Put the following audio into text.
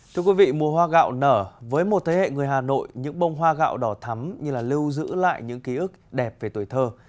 thưa quý vị mùa hoa gạo nở với một thế hệ người hà nội những bông hoa gạo đỏ thắm như là lưu giữ lại những ký ức đẹp về tuổi thơ